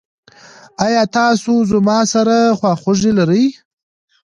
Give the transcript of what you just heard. ایا تاسو زما سره خواخوږي لرئ؟